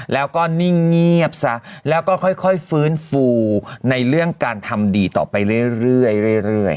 แล้วก็นิ่งเงียบซะแล้วก็ค่อยฟื้นฟูในเรื่องการทำดีต่อไปเรื่อย